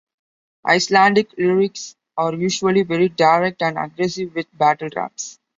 Icelandic lyrics are usually very direct and aggressive, with battle raps.